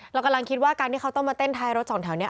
เรากำลังคิดว่าการที่เขาต้องมาเต้นท้ายรถสองแถวนี้